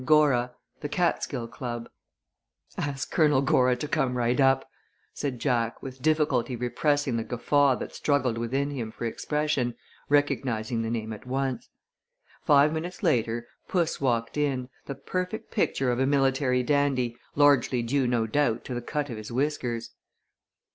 GORA THE CATSKILL CLUB "Ask Colonel Gora to come right up," said Jack, with difficulty repressing the guffaw that struggled within him for expression, recognizing the name at once. Five minutes later puss walked in, the perfect picture of a military dandy, largely due no doubt to the cut of his whiskers.